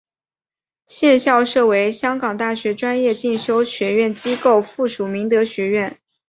现校舍为香港大学专业进修学院机构附属明德学院。